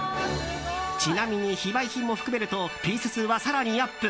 ちなみに非売品も含めるとピース数は更にアップ。